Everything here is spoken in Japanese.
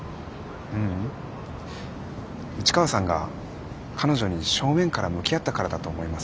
ううん市川さんが彼女に正面から向き合ったからだと思います。